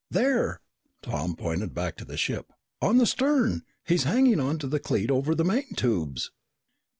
"There!" Tom pointed back to the ship. "On the stern! He's hanging on to the cleat over the main tubes!"